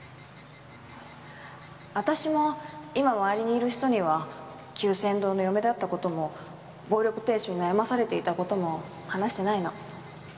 私も今周りにいる人には久泉堂の嫁だった事も暴力亭主に悩まされていた事も話してないの。